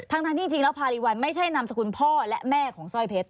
ทั้งที่จริงแล้วภาริวัลไม่ใช่นามสกุลพ่อและแม่ของสร้อยเพชร